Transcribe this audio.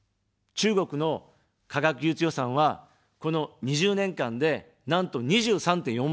中国の科学技術予算は、この２０年間で、なんと２３．４倍。